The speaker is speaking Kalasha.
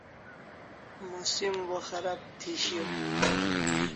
Musim bo kharab thi shiau